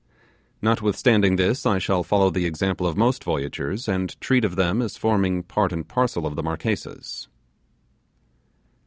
Notwithstanding this, I shall follow the example of most voyagers, and treat of them as forming part and parcel of Marquesas.